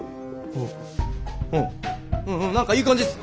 うんうんうんうん何かいい感じっす。